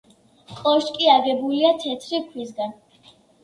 კოშკი აგებულია თეთრი ქვისგან.